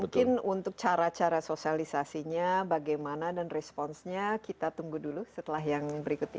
mungkin untuk cara cara sosialisasinya bagaimana dan responsnya kita tunggu dulu setelah yang berikut ini